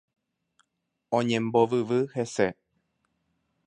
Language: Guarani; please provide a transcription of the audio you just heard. Oñembovyvy hese.